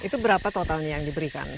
itu berapa totalnya yang diberikan